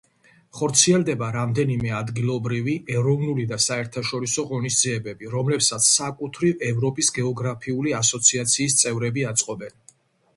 ხორციელდება რამდენიმე ადგილობრივი, ეროვნული და საერთაშორისო ღონისძიებები, რომლებსაც საკუთრივ ევროპის გეოგრაფიული ასოციაციის წევრები აწყობენ.